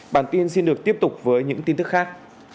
bản tin xin được tiếp tục với những tin tức khác